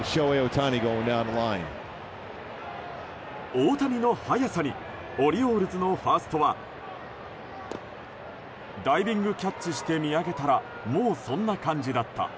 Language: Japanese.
大谷の速さにオリオールズのファーストはダイビングキャッチして見上げたらもうそんな感じだった。